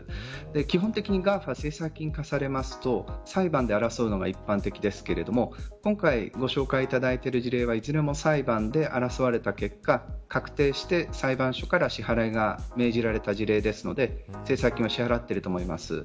基本的にＧＡＦＡは制裁金を科されますと裁判で争うのが一般的ですけど今回ご紹介いただいている事例はいずれも裁判で争われた結果確定して裁判所から支払いが命じられた事例なので制裁金は支払ってると思います。